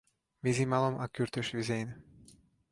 Vizimalom a Kürtös vizén.